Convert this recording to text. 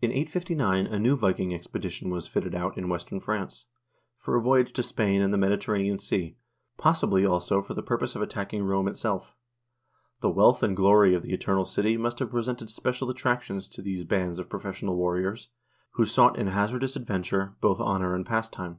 In 859 a new Viking expedition was fitted out in western France for a voyage to Spain and the Mediterranean Sea, possibly, also, for the purpose of attacking Rome itself. The wealth and glory of the Eternal City must have presented special attractions to these bands of professional warriors, who sought in hazardous adventure both honor and pastime.